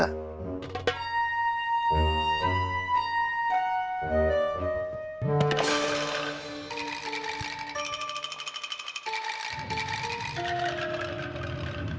di sini juga